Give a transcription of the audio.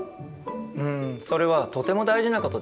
うんそれはとても大事なことです。